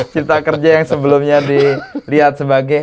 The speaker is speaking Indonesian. cipta kerja yang sebelumnya dilihat sebagai